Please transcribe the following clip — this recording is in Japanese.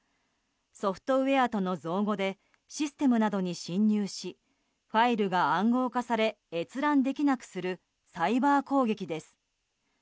ソフトウェアとの造語でシステムなどに侵入しファイルが暗号化され閲覧できなくするサイバー攻撃です。